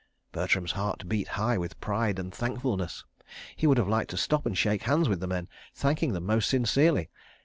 Bertram's heart beat high with pride and thankfulness. He would have liked to stop and shake hands with the men, thanking them most sincerely.